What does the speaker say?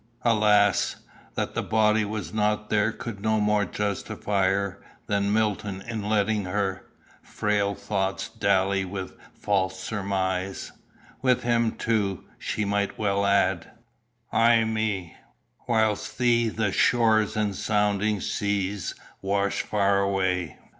Alas! that the body was not there could no more justify her than Milton in letting her "frail thoughts dally with false surmise." With him, too, she might well add "Ay me! whilst thee the shores and sounding seas Wash far away."